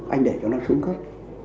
anh để cho nó xuống cấp